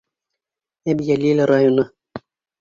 Әбйәлил районы.